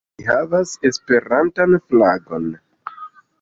Mi havas la Esperantan flagon!